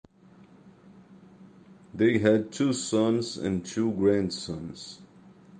They had two sons and two grandsons.